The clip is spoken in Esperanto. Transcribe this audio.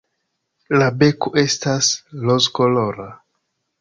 La beko estas rozkolora.